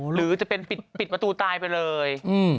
หรือจะเป็นปิดประตูตายไปเลย